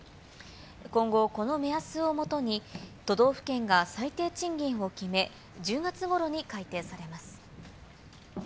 今後、この目安をもとに、都道府県が最低賃金を決め、１０月ごろに改定されます。